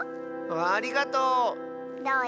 ありがとう！